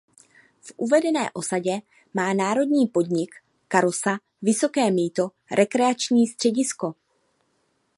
V uvedené osadě má národní podnik Karosa Vysoké Mýto rekreační středisko.